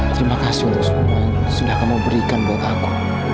terima kasih untuk semua yang sudah kamu berikan buat aku